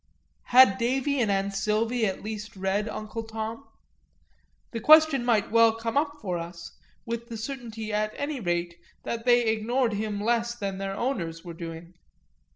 Had Davy and An'silvy at least read Uncle Tom? that question might well come up for us, with the certainty at any rate that they ignored him less than their owners were doing.